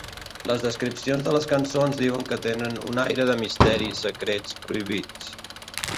Les descripcions de les cançons diuen que tenen "un aire de misteri i secrets prohibits".